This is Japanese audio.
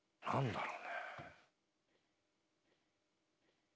何だろう。